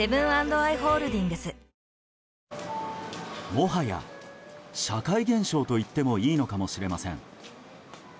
もはや、社会現象といっても良いのかもしれません。